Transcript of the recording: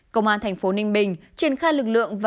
công an tp ninh bình triển khai lực lượng